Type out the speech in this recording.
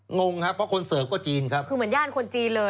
งงครับเพราะคนเสิร์ฟก็จีนครับคือเหมือนย่านคนจีนเลย